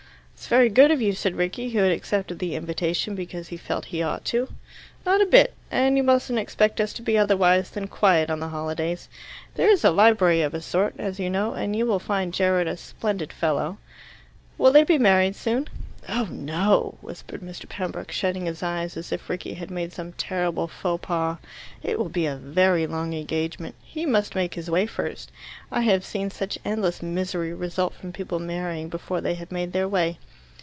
"It's very good of you," said Rickie, who had accepted the invitation because he felt he ought to. "Not a bit. And you mustn't expect us to be otherwise than quiet on the holidays. There is a library of a sort, as you know, and you will find Gerald a splendid fellow." "Will they be married soon?" "Oh no!" whispered Mr. Pembroke, shutting his eyes, as if Rickie had made some terrible faux pas. "It will be a very long engagement. He must make his way first. I have seen such endless misery result from people marrying before they have made their way."